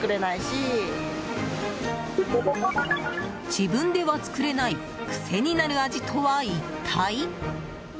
自分では作れない癖になる味とは、一体？